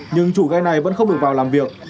nhưng chủ ghe này vẫn không được vào làm việc